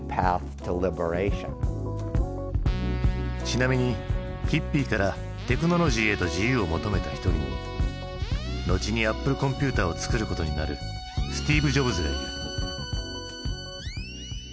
ちなみにヒッピーからテクノロジーへと自由を求めた一人に後にアップルコンピュータを作ることになるスティーブ・ジョブズがいる。